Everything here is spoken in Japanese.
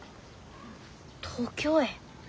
東京へ？